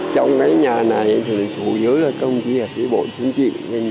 trong cái nhà này thì chủ dưới là công chí là thủy bộ chính trị